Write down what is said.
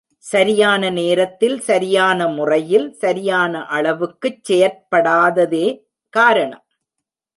சரியான நேரத்தில் சரியான முறையில் சரியான அளவுக்குச் செயற்படாததே காரணம்.